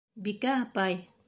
Бикә апай!